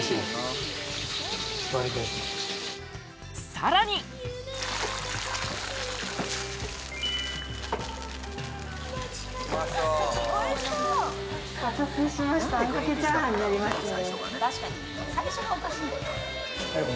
さらにお待たせしましたあんかけ炒飯になりますね。